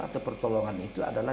atau pertolongan itu adalah